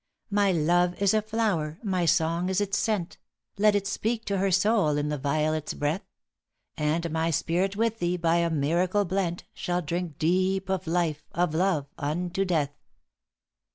"'My love is a flower, my song is its scent; Let it speak to her soul in the violet's breath! And my spirit with thee, by a miracle blent, Shall drink deep of life, of love unto death.